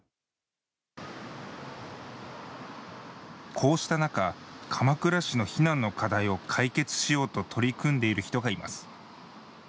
こうした中、鎌倉市の避難の課題を解決しようと取り組んでいる人がいます。